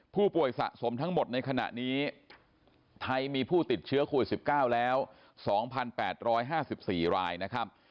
ผู้ป่วยสะสมทั้งหมดในขณะนี้ไทยมีผู้ติดเชื้อโควิด๑๙แล้ว๒๘๕๔รายนะครับ